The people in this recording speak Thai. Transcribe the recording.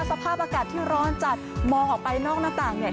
สภาพอากาศที่ร้อนจัดมองออกไปนอกหน้าต่างเนี่ย